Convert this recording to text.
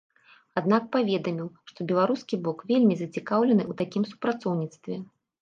Аднак паведаміў, што беларускі бок вельмі зацікаўлены ў такім супрацоўніцтве.